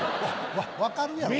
分かるやろう。